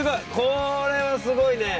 これはすごいね！